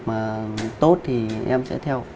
mà tốt thì em sẽ theo